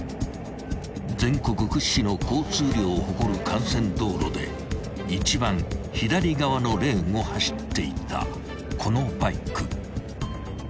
［全国屈指の交通量を誇る幹線道路で一番左側のレーンを走っていたこのバイク］